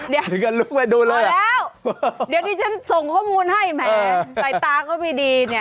เดี๋ยวก็ลุกไปดูเลยแล้วเดี๋ยวที่ฉันส่งข้อมูลให้แหมใส่ตาก็ไม่ดีเนี่ย